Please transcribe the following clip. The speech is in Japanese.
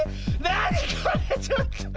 なにこれ⁉ちょっと。